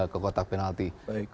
ke kotak penalti